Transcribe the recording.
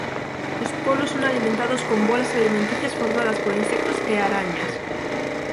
Os polos son alimentados con bolas alimenticias formadas por insectos e arañas.